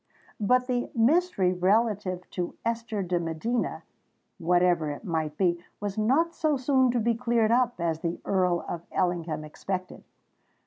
But the mystery relative to Esther de Medina—whatever it might be—was not so soon to be cleared up as the Earl of Ellingham expected.